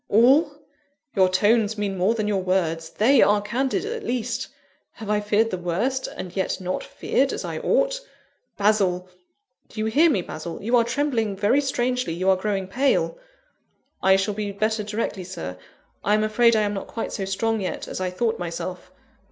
"All? your tones mean more than your words they are candid, at least! Have I feared the worst, and yet not feared as I ought? Basil! do you hear me, Basil? You are trembling very strangely; you are growing pale!" "I shall be better directly, Sir. I am afraid I am not quite so strong yet as I thought myself.